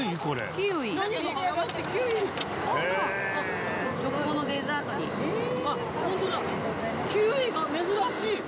キウイが珍しい！